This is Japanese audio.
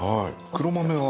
黒豆は。